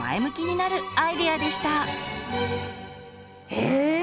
へえ！